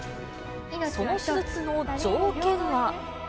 その手術の条件は。